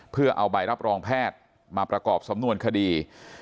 เพื่อเอาใบรับรองแพทย์มาประกอบสำนวนคดี